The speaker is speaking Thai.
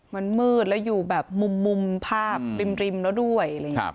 มันมืดแล้วอยู่แบบมุมภาพริมแล้วด้วย